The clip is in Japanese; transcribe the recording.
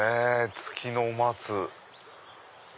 月の松。